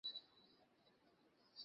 কাল পর্যন্ত তো চলছিল।